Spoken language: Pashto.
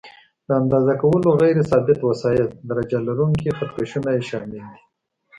د اندازه کولو غیر ثابت وسایل: درجه لرونکي خط کشونه یې شامل دي.